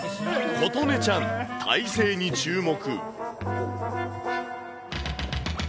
ことねちゃん、体勢に注目。